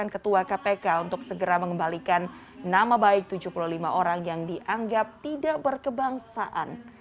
ketua kpk untuk segera mengembalikan nama baik tujuh puluh lima orang yang dianggap tidak berkebangsaan